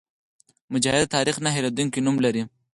مجاهد د تاریخ نه هېرېدونکی نوم لري.